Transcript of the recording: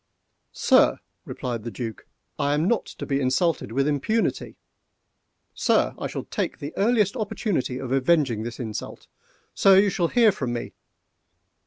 "Sir!" replied the Duc, "I am not to be insulted with impunity!—Sir! I shall take the earliest opportunity of avenging this insult!—Sir! you shall hear from me!